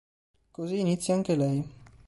Così inizia anche lei.